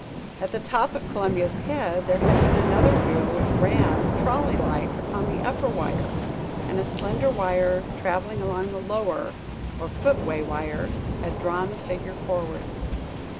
At the top of Columbia's head there had been another wheel, which ran, trolley like, upon the upper wire; and a slender wire traveling along the lower, or footway wire, had drawn the figure forward.